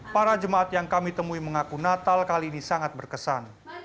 para jemaat yang kami temui mengaku natal kali ini sangat berkesan